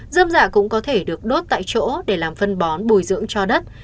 dâm dạ cũng có thể được đốt tại chỗ để làm phân bón bùi dưỡng cho đất